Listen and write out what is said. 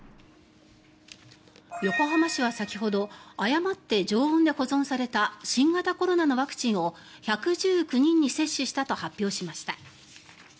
横浜市は先ほど誤って常温で保存された新型コロナのワクチンを１１９人に接種したと発表しました。